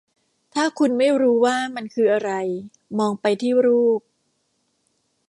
ถ้าคุณไม่รู้ว่ามันคืออะไร มองไปที่รูป